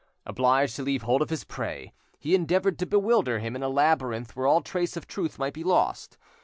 Obliged to leave hold of his prey, he endeavoured to bewilder him in a labyrinth where all trace of truth might be lost.